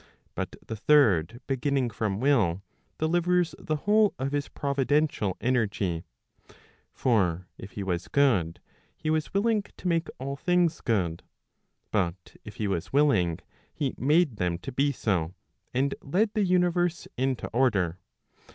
But the third beginning from will, delivers the whole of his providential energy. For if he was good, he was willing to make all things good. But if he was willing, he made them to be so, and led the universe into order.